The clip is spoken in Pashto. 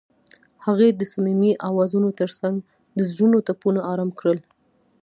هغې د صمیمي اوازونو ترڅنګ د زړونو ټپونه آرام کړل.